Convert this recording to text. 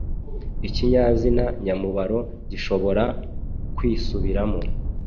Ikinyazina nyamubaro gishobora kwisubiramo